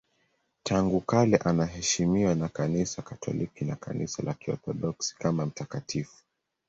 Tangu kale anaheshimiwa na Kanisa Katoliki na Kanisa la Kiorthodoksi kama mtakatifu.